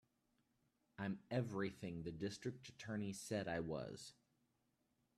I'm everything the District Attorney said I was.